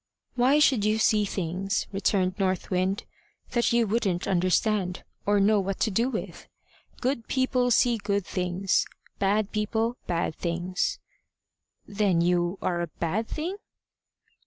"Why should you see things," returned North Wind, "that you wouldn't understand or know what to do with? Good people see good things; bad people, bad things." "Then are you a bad thing?"